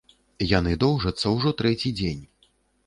Яны доўжацца ўжо трэці дзень.